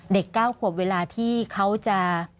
๙ขวบเวลาที่เขาจะ